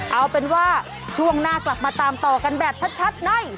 เอาเป็นว่าช่วงหน้ากลับมาตามต่อกันแบบชัดใน